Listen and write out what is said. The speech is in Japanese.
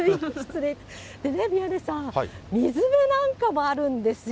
でね、宮根さん、水辺なんかもあるんですよ。